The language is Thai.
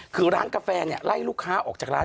คือร้านกาแฟไล่ลูกค้าออกจากร้าน